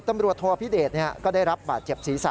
ตำรวจโทพิเดชก็ได้รับบาดเจ็บศีรษะ